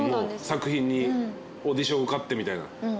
作品にオーディション受かってみたいな。